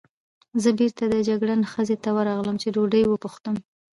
زه بېرته د جګړن خزې ته ورغلم، چې ډوډۍ وپوښتم.